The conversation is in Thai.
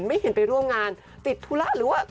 ไม่เห็นไปร่วมงานติดธุระหรือว่า